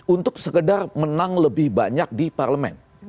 untuk sekedar menang lebih banyak di parlemen